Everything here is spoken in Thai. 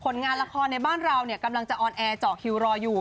ผลงานละครในบ้านเรากำลังจะออนแอร์เจาะฮิลลอยอยู่